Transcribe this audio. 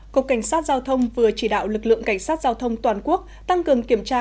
cục cảnh sát giao thông vừa chỉ đạo lực lượng cảnh sát giao thông toàn quốc tăng cường kiểm tra